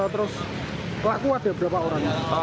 terus pelaku ada berapa orang